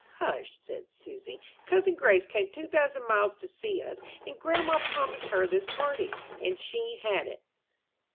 "Hush," said Susy. "Cousin Grace came two thousand miles to see us, and grandma promised her this party, and she had it."